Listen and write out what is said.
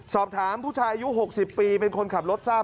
สอบถามผู้ชายอายุ๖๐ปีเป็นคนขับรถทราบ